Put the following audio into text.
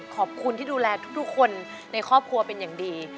ขอบคุณที่ดูแลทุกคนในครอบครัวเป็นอย่างดี